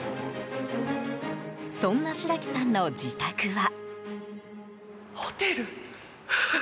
そんな白木さんの自宅は。